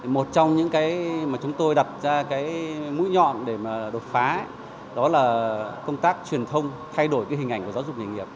một trong những cái mà chúng tôi đặt ra cái mũi nhọn để mà đột phá đó là công tác truyền thông thay đổi cái hình ảnh của giáo dục nghề nghiệp